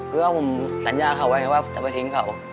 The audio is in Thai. เพื่อผมสัญญาเขาไว้ว่าจะไปทิ้งเขา